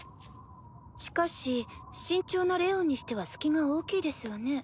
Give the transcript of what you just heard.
しかし慎重なレオンにしては隙が大きいですわね。